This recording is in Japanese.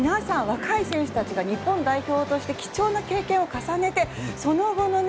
若い選手たちが日本代表として貴重な経験を重ねてその後のね